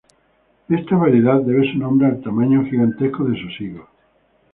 Esta variedad debe su nombre al tamaño gigantesco de sus higos.